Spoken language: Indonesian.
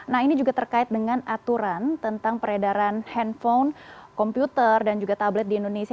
nah ini juga terkait dengan aturan tentang peredaran handphone komputer dan juga tablet di indonesia